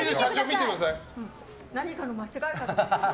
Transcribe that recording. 何かの間違いかと。